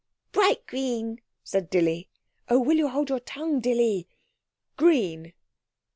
'Bright green,' said Dilly. '(Oh, will you hold your tongue, Dilly?) Green.'